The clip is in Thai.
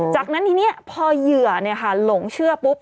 จากนั้นทีนี้พอเหยื่อหลงเชื่อปุ๊บ